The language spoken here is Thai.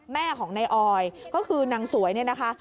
แม่ของนายออยก็คือนางสวยเนี่ยนะคะ